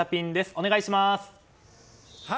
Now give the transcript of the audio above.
お願いします。